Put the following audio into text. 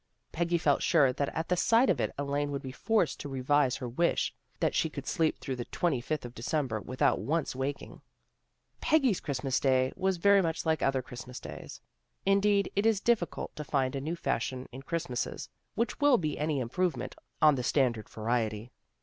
Peggy felt sure that at the sight of it Elaine would be forced to revise her wish that she could sleep through the twenty fifth of December without once waking. Peggy's Christmas day was very much like other Christmas days. Indeed it is difficult to find a new fashion in Christmases, which will be any improvement on the standard variety.